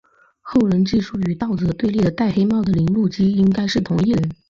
后人记述与盗贼对立的戴黑帽的铃鹿姬应该是同一人。